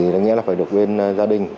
đáng nhẽ là phải được bên gia đình